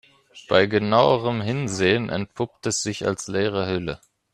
Bei genauerem Hinsehen entpuppt es sich als leere Hülle.